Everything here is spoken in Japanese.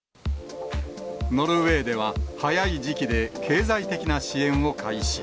ノルウェーでは、早い時期で経済的な支援を開始。